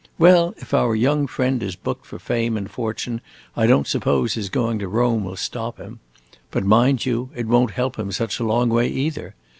Well, if our young friend is booked for fame and fortune, I don't suppose his going to Rome will stop him. But, mind you, it won't help him such a long way, either.